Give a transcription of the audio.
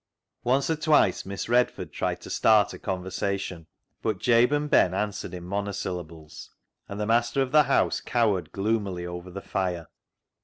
Once or twice Miss Redford tried to start a conver sation, but Jabe and Ben answered in mono syllables, and the master of the house cowered gloomily over the fire.